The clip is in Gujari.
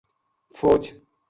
فوج